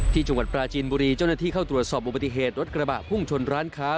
ที่จังหวัดปราจีนบุรีเจ้าหน้าที่เข้าตรวจสอบอุบัติเหตุรถกระบะพุ่งชนร้านค้า